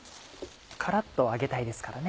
カラっと揚げたいですからね。